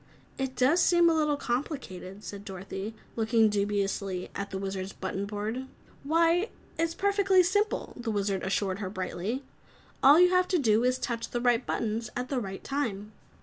"It does seem a little complicated," said Dorothy, looking dubiously at the Wizard's button board. "Why, it's perfectly simple!" the Wizard assured her brightly. "All you have to do is touch the right buttons at the right time!"